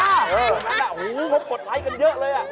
เกือบทั้งนั้นคนปลดไลค์กันเยอะเลย